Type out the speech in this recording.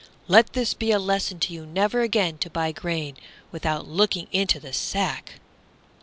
Let this be a lesson to you never again to buy grain without looking into the sack!"